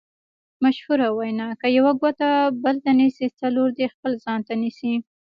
مشهوره وینا: که یوه ګوته بل ته نیسې څلور دې خپل ځان ته نیسې.